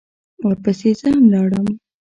ورپسې زه هم لاړم.